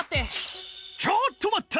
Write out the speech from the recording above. ちょっとまった！